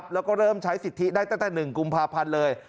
แล้วก็เริ่มใช้สิทธิได้ตั้งแต่๑กุมภาพันธ์เลย